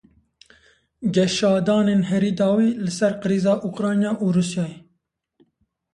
Geşadanên herî dawî li ser krîza Ukrayna û Rûsyayê.